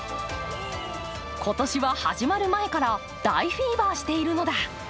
今年は始まる前から大フィーバーしているのだ。